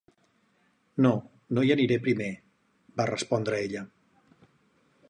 "No, no hi aniré primer", va respondre ella.